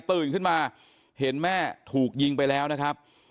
ตื่นขึ้นมาเห็นแม่ถูกยิงไปแล้วนะครับ